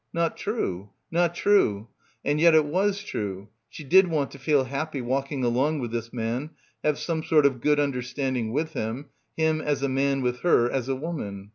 Not true. Not true. And yet it was true, she did want to feel happy walking along with this man, have some sort of good under standing with him, him as a man with her as a woman.